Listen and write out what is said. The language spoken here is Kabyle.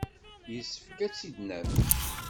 Yessefk ad tt-id-naf.